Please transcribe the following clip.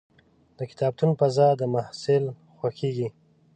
د کتابتون فضا د محصل خوښېږي.